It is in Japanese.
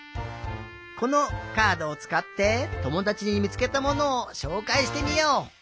このカードをつかってともだちにみつけたものをしょうかいしてみよう！